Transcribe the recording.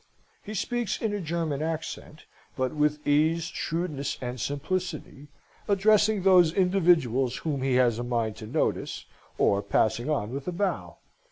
He speaks in a German accent, but with ease, shrewdness, and simplicity, addressing those individuals whom he has a mind to notice, or passing on with a bow.